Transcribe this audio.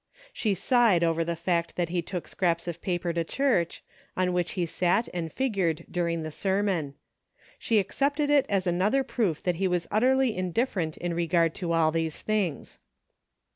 She sighed over the fact that he took scraps of paper to church, on which he sat and figured during the sermon. She accepted it as another proof that he was utterly indifferent in regard to all these things.